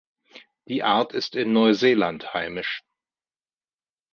Die Art ist in Neuseeland heimisch.